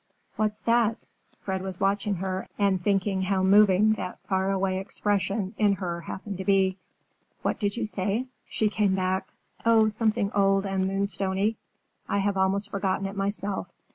"What's that?" Fred was watching her and thinking how moving that faraway expression, in her, happened to be. "What did you say?" She came back. "Oh, something old and Moonstony! I have almost forgotten it myself.